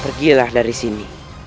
pergilah dari sini